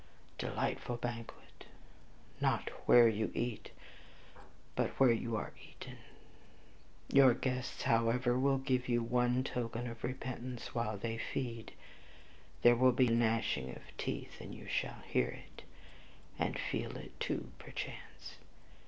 Delightful banquet, not 'where you eat, but where you are eaten'! Your guests, however, will give you one token of repentance while they feed; there will be gnashing of teeth, and you shall hear it, and feel it too perchance!